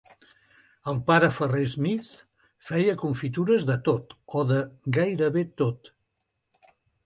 El pare Ferrer Smith feia confitures de tot, o de gairebé tot.